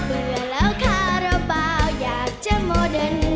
เบื่อแล้วคาระบาวอยากเจอโมเดิร์นดอง